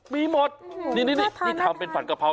มีหมดนี่ที่ทำเป็นผัดกะเพรา